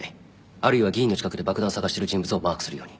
あるいは議員の近くで爆弾探してる人物をマークするように。